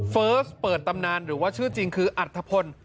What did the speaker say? เฟิร์สเปิดตำนานหรือว่าชื่อจริงคืออัฐพล